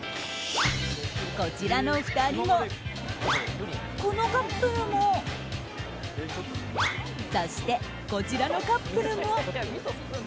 こちらの２人も、このカップルもそして、こちらのカップルも。